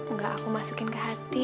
enggak aku masukin ke hati